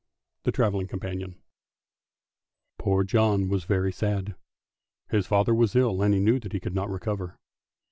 " THE TRAVELLING COMPANIONS POOR John was very sad, his father was ill and he knew that he could not recover.